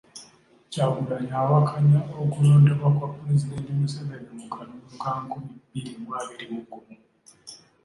Kyagulanyi awakanya okulondebwa kwa Pulezidenti Museveni mu kalulu ka nkumi bbiri mu abiri mu gumu.